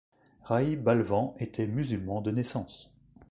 Rai Balvand était musulman de naissance.